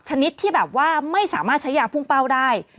ชนิดที่แบบว่าไม่สามารถใช้ยาพุ่งเป้าได้